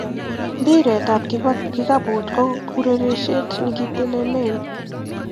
mpiret ap kikaput ko ureriet nekiteleli